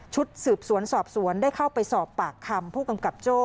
สืบสวนสอบสวนได้เข้าไปสอบปากคำผู้กำกับโจ้